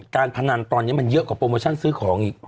พนันตอนนี้มันเยอะกว่าโปรโมชั่นซื้อของอีก